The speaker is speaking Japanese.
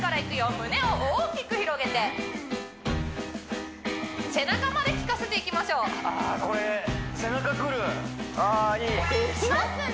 胸を大きく広げて背中まできかせていきましょうあこれあいいきますね